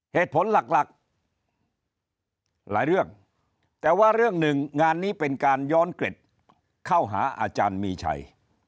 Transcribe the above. เหตุผลหลักหลายเรื่องแต่ว่าเรื่องหนึ่งงานนี้เป็นการย้อนเกร็ดเข้าหาอาจารย์มีชัย